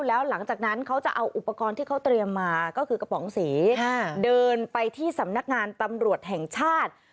แล้วหลังจากนั้นเขาจะเอาอุปกรณ์ที่เขาเตรียมมาก็คือกระป๋องสีเดินไปที่สำนักงานตำรวจแห่งชาติ